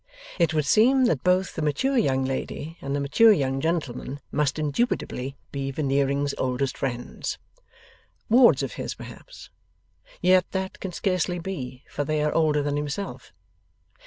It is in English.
It would seem that both the mature young lady and the mature young gentleman must indubitably be Veneering's oldest friends. Wards of his, perhaps? Yet that can scarcely be, for they are older than himself.